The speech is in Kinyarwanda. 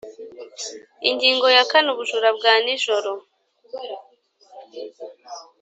Ingingo ya kane Ubujura bwa nijoro